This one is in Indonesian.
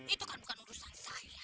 itu kan bukan urusan saya